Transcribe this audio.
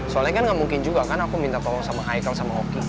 soalnya kan gak mungkin juga kan aku minta tolong sama ichael sama oki